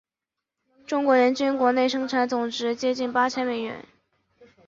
中国人均国内生产总值接近八千万美元。